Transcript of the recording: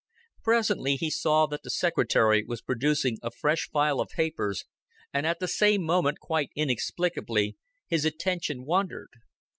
Presently he saw that the secretary was producing a fresh file of papers, and at the same moment, quite inexplicably, his attention wandered.